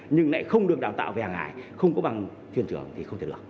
nhưng lại không được đào tạo về hàng hải không có bằng thuyền trưởng thì không thể được